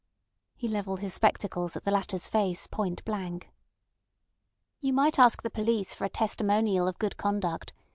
He levelled his spectacles at the latter's face point blank. "You might ask the police for a testimonial of good conduct.